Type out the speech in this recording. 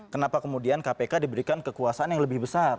kenapa kemudian kpk diberikan kekuasaan yang lebih besar